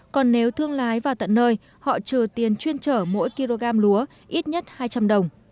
còn nếu thương lái vào tận nơi họ trừ tiền chuyên trở mỗi kg lúa ít nhất hai trăm linh đồng